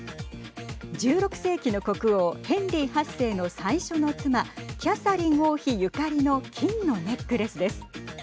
１６世紀の国王ヘンリー８世の最初の妻キャサリン王妃ゆかりの金のネックレスです。